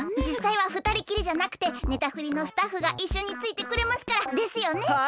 じっさいは二人きりじゃなくてネタフリのスタッフがいっしょについてくれますから。ですよね？